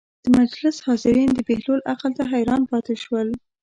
د مجلس حاضرین د بهلول عقل ته حیران پاتې شول.